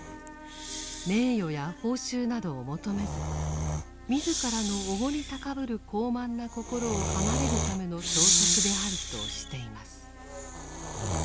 名誉や報酬などを求めず自らのおごり高ぶる高慢な心を離れるための創作であるとしています。